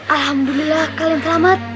alhamdulillah kalian selamat